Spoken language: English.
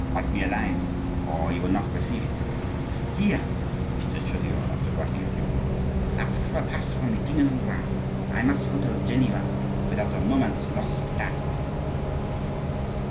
"Write me a line, or he will not receive me." "Here," said Chaudieu, after writing a few words, "ask for a pass from the king of Navarre, for I must go to Geneva without a moment's loss of time."